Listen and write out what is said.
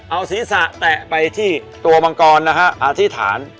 เอาศีรษะแตะไปที่ตัวมังกรนะฮะอธิษฐาน